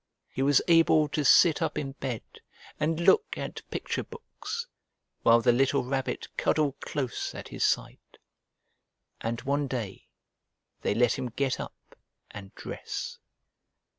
He was able to sit up in bed and look at picture books, while the little Rabbit cuddled close at his side. And one day, they let him get up and dress.